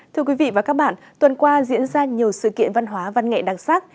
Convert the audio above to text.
thưa quý vị và các bạn tuần qua diễn ra nhiều sự kiện văn hóa văn nghệ đặc sắc